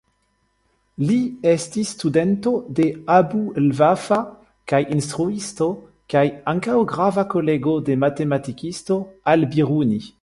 Li estis studento de Abu'l-Vafa kaj instruisto kaj ankaŭ grava kolego de matematikisto, Al-Biruni.